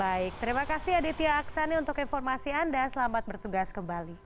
baik terima kasih aditya aksani untuk informasi anda selamat bertugas kembali